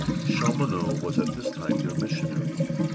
Chaumonot was at this time their missionary.